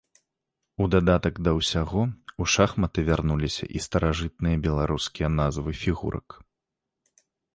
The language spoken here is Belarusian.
У дадатак да ўсяго, у шахматы вярнуліся і старажытныя беларускія назвы фігурак.